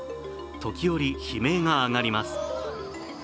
時折、悲鳴が上がります。